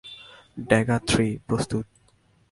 Dagger three, প্রস্তুত।